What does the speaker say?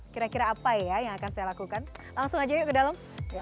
kira kira apa ya yang akan saya lakukan langsung aja yuk ke dalam